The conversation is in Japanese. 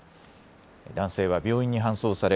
男性は病院に搬送され